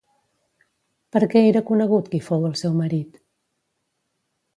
Per què era conegut qui fou el seu marit?